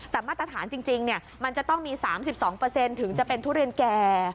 แต่มาตรฐานจริงมันจะต้องมี๓๒ถึงจะเป็นทุเรียนแก่